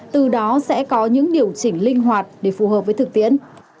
từ đó sẽ có những điều chỉnh linh hoạt để phù hợp với thực tiễn